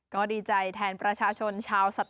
ก็ภูมิใจแทนประชาชนชาวสัตตาหีพ